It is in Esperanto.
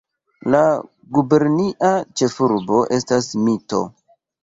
La gubernia ĉefurbo estas Mito.